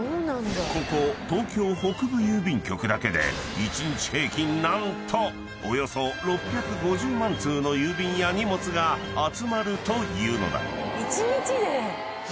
［ここ東京北部郵便局だけで１日平均何とおよそ６５０万通の郵便や荷物が集まるというのだ］